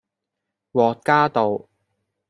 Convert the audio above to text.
獲嘉道